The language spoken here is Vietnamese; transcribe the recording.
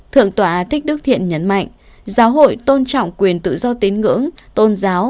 thượng tọa thích đức thiện nhấn mạnh giáo hội tôn trọng quyền tự do tín ngưỡng tôn giáo